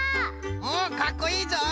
おっかっこいいぞい！